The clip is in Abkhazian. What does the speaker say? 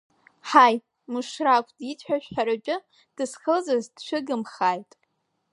Ҳаи, мышрақә диит ҳәа шәҳәаратәы, дызхылҵыз дшәыгымхааит!